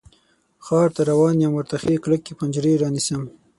ښار ته روان یم، ورته ښې کلکې پنجرې رانیسم